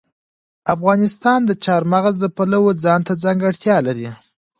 افغانستان د چار مغز د پلوه ځانته ځانګړتیا لري.